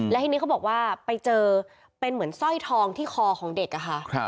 และทีนี้เขาบอกว่าไปเจอเป็นเหมือนสร้อยทองที่คอของเด็กอะค่ะ